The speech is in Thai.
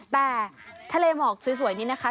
แต่ทะเลหมอกสวยนี้นะคะ